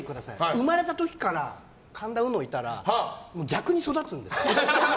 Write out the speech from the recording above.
生まれた時から神田うのいたら逆に育つんですよ。